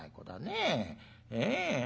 ええ？